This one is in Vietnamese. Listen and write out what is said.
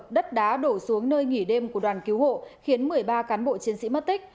đất đá đổ xuống nơi nghỉ đêm của đoàn cứu hộ khiến một mươi ba cán bộ chiến sĩ mất tích